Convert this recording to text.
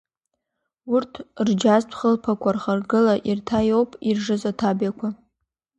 Урҭ рџьазтә хылԥақәа рхаргыла ирҭаиоуп иржыз аҭабиақәа.